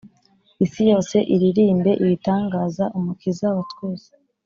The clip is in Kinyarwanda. isi yose iririmbe lbitangaza umukiza wa twese